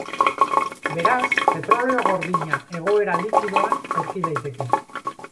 Beraz, petrolio gordina egoera likidoan aurki daiteke.